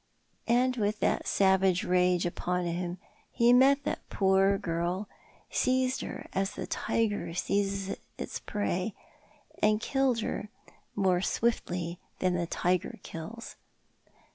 And with that savage rage upon him he met that poor girl, seized her as the tiger seizes its prey, and killed her more Com expatiates. 277 swiftly tlian tho tiger kills.